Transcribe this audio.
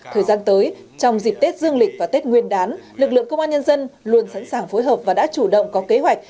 thời gian tới trong dịp tết dương lịch và tết nguyên đán lực lượng công an nhân dân luôn sẵn sàng phối hợp và đã chủ động có kế hoạch